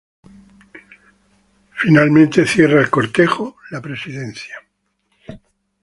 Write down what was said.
Finalmente cierra el cortejo la presidencia.